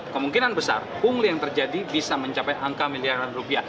kemungkinan besar pungli yang terjadi bisa mencapai angka miliaran rupiah